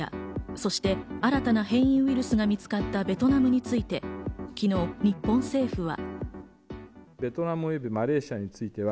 そして新たな変異ウイルスが見つかったベトナムについて、昨日、日本政府は。